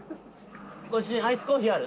ご主人アイスコーヒーある？